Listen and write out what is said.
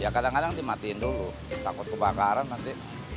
ya kadang kadang dimatiin dulu takut kebakaran nanti